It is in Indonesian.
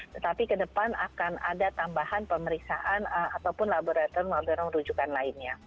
tetapi ke depan akan ada tambahan pemeriksaan ataupun laboratorium laboratorium rujukan lainnya